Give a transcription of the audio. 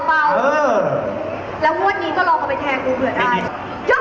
น้ำหนักเปล่า